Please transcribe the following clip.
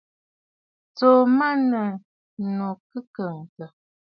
Tsùu mɔʼɔ nɨ̂ ànnù kɨ kɔʼɔtə̂.